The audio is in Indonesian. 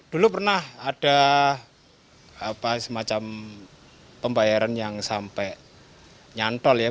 dulu pernah ada semacam pembayaran yang sampai nyantol ya